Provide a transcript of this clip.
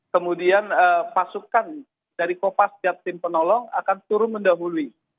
kemudian pasukan dari kopas setiap tim penolong akan turun mendahului